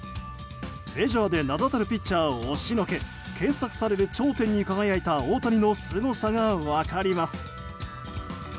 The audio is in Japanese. メジャーで名だたるピッチャーを押しのけ検索される頂点に輝いた大谷のすごさが分かります。